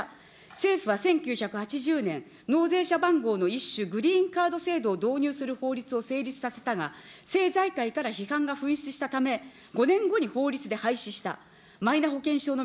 政府は１９８０年、納税者番号の一種、グリーンカード制度を導入する法律を成立させたが、政財界から批判が噴出したため、５年後に法律で廃止した。